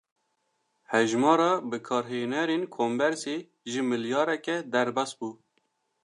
Hejmara bikarhênerên kombersê, ji milyareke derbas bû